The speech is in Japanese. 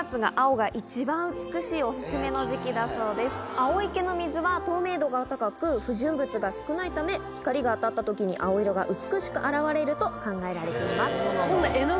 青池の水は透明度が高く不純物が少ないため光が当たった時に青色が美しく現れると考えられています。